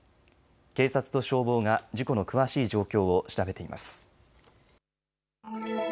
警察と消防が事故の詳しい状況を調べています。